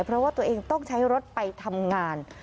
เพราะว่าตัวเองต้องใช้รถไปทำงาน